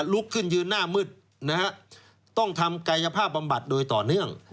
ลุกขึ้นยืนหน้ามืดนะฮะต้องทำกายภาพบำบัดโดยต่อเนื่อง